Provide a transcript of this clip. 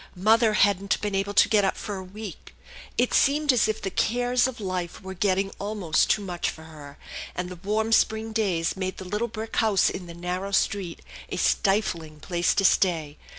Mother hadn't been able to get up for a week. It seemed as if the cares of life were getting almost too much for her, and the warm spring days made the little brick house in the narrow street a stifling place to stay.